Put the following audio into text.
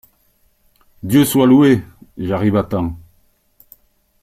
Dieu soit loué ! j’arrive à temps.